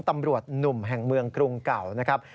ตำรวจหนุ่มแห่งเมืองกรุงเก่านะครับ